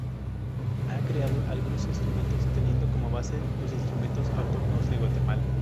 Ha creado algunos instrumentos teniendo como base los instrumentos autóctonos de Guatemala.